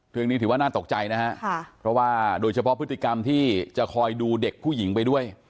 เรื่องนี้ถือว่าน่าตกใจนะฮะเพราะว่าโดยเฉพาะพฤติกรรมที่จะคอยดูเด็กผู้หญิงไปด้วย